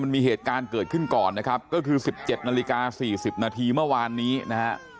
มีเหตุการณ์เกิดขึ้นก่อนนะครับก็คือ๑๗นาฬิกา๔๐นาทีเมื่อวานนี้นะฮะ